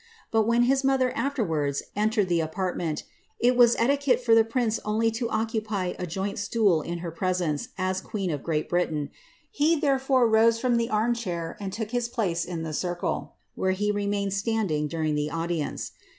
But when his mother afterwards entered the apartment, it was etiquette for the prince only to occupy a joint stool in her presence, as queen of Great Britain; he thiere fore rose from the arm chair and took his place in the circle, where he remained standing during the audience.'